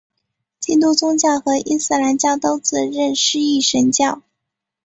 基督宗教和伊斯兰教都自认是一神教。